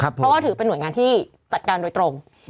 เพราะว่าถือเป็นหน่วยงานที่จัดการโดยตรง